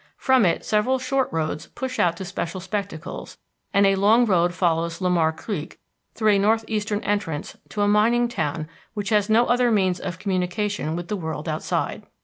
From it several short roads push out to special spectacles, and a long road follows Lamar Creek through a northeastern entrance to a mining town which has no other means of communication with the world outside.